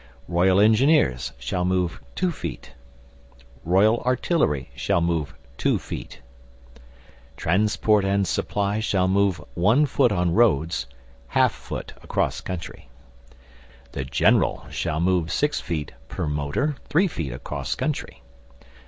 Royal Engineers shall move two feet. Royal Artillery shall move two feet. Transport and Supply shall move one foot on roads, half foot across country. The General shall move six feet (per motor), three feet across country.